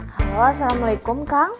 halo assalamualaikum kang